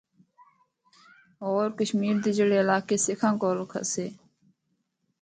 ہور کشمیر دے جڑے علاقے سکھاں کو کھسّے۔